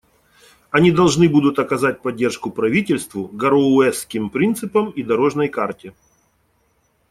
Они должны будут оказать поддержку правительству, «Гароуэсским принципам» и «дорожной карте».